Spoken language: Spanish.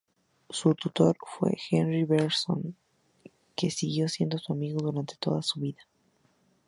Su tutor fue Henri Bergson, que siguió siendo su amigo durante toda su vida.